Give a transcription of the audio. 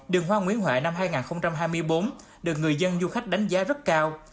đường hoa nguyễn huệ năm hai nghìn hai mươi bốn được người dân du khách đánh giá rất cao